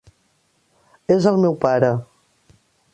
És el meu pare.